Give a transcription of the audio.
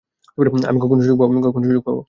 আমি কখন সুযোগ পাব?